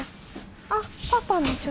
あっパパの書斎？